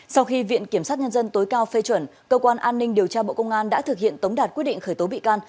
sau khi viện kiểm sát nhân dân tối cao phê chuẩn cơ quan an ninh điều tra bộ công an đã thực hiện tống đạt quyết định khởi tố bị can